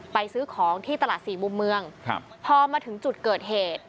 ซื้อของที่ตลาดสี่มุมเมืองครับพอมาถึงจุดเกิดเหตุ